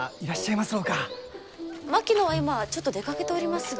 槙野は今ちょっと出かけておりますが。